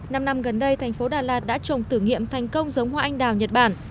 năm năm gần đây thành phố đà lạt đã trồng tử nghiệm thành công giống hoa anh đào nhật bản